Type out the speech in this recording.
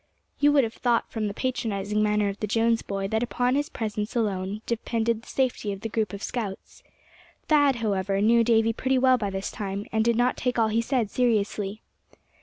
You would have thought from the patronizing manner of the Jones boy that upon his presence alone depended the safety of the group of scouts. Thad, however, knew Davy pretty well by this time, and did not take all he said seriously.